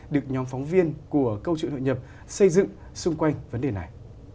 được nhóm phóng viên của câu chuyện nội nhập xây dựng xung quanh vấn đề này